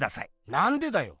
なんでだよ？